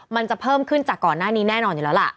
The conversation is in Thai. มันจะเพิ่มขึ้นจากก่อนหน้านี้แน่นอนอยู่แล้วล่ะ